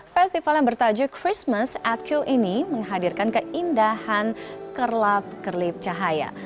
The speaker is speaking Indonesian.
festival yang bertajuk christmas atcule ini menghadirkan keindahan kerlap kerlip cahaya